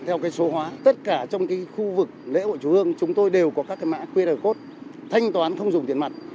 theo số hóa tất cả trong khu vực lễ hội chùa hương chúng tôi đều có các cái mã qr code thanh toán không dùng tiền mặt